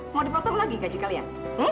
mau dipotong lagi gaji kalian